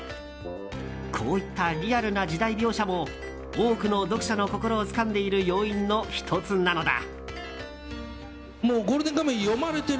こういったリアルな時代描写も多くの読者の心をつかんでいる要因の１つなのだ。